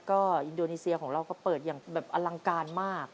ก็อินโดนีเซียของเราก็เปิดอย่างแบบอลังการมาก